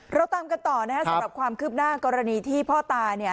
เราตามกันต่อนะครับสำหรับความคืบหน้ากรณีที่พ่อตาเนี่ย